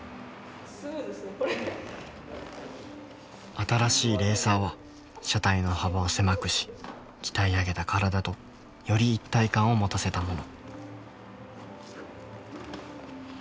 新しいレーサーは車体の幅を狭くし鍛え上げた体とより一体感を持たせたもの。